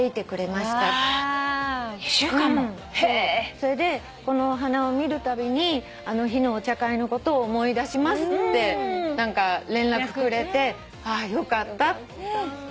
それでこのお花を見るたびにあの日のお茶会のことを思い出しますって連絡くれてああよかった。